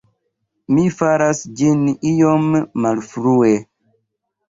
Mi faras ĝin iom malfrue.